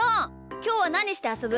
きょうはなにしてあそぶ？